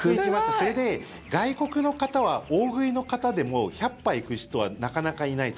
それで、外国の方は大食いの方でも１００杯行く人はなかなかいないと。